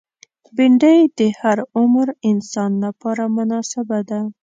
بېنډۍ د هر عمر انسان لپاره مناسبه ده